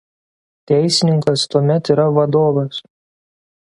Teisininkas tuomet yra vad.